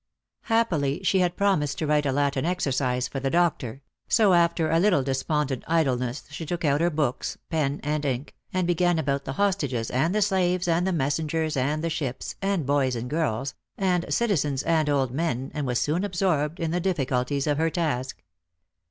207 Happily she had promised to write a Latin exercise for the doctor; so, after a little despondent idleness she took our her books, pen and ink, and began about the hostages, and the slaves, and the messengers, and the ships, and boys and girls, and citizens and old men, and was soon absorbed in the difficulties of her task.